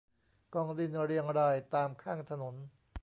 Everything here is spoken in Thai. กองดินเรียงรายตามข้างถนน